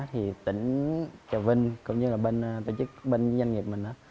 thì tỉnh trà vinh cũng như là bên tổ chức bên doanh nghiệp mình á